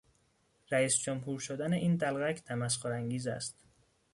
رئیس جمهور شدن این دلقک تمسخر انگیز است.